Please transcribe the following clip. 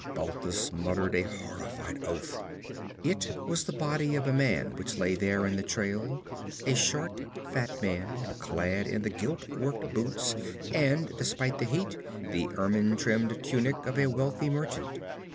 Balthus muttered a horrified oath. It was the body of a man which lay there in the trail, a short, fat man, clad in the gilt worked boots and (despite the heat) the ermine trimmed tunic of a wealthy merchant.